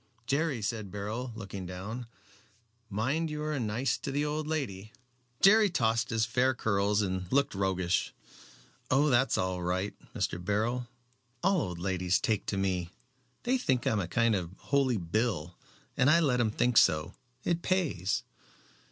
"Jerry," said Beryl, looking down, "mind you are nice to the old lady." Jerry tossed his fair curls and looked roguish. "Oh, that's all right, Mr. Beryl. All old ladies take to me. They think I'm a kind of Holy Bill, and I let them think so. It pays."